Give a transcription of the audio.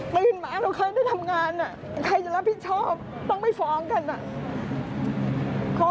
มีปัญหาเราเคยได้ทำงานใครจะรับผิดชอบต้องไม่ฟ้องกันอ่ะ